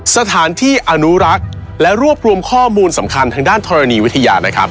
สถานที่อนุรักษ์และรวบรวมข้อมูลสำคัญทางด้านธรณีวิทยานะครับ